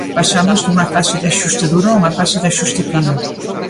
Pasamos dunha fase de axuste duro a unha fase de axuste fino.